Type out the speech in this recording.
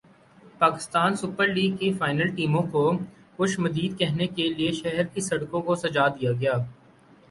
Pakistan Super League کا final ٹیموں کو خوش مدید کہنے کے لئے شہر کی سڑکوں کوسجا دیا گیا